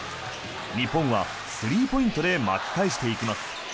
日本はスリーポイントで巻き返していきます。